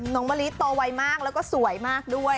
มะลิโตไวมากแล้วก็สวยมากด้วย